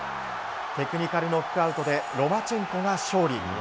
テクニカルノックアウトでロマチェンコが勝利。